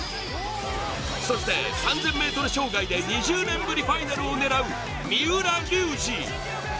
そして３０００ｍ障害で２０年ぶりファイナルを狙う三浦龍司。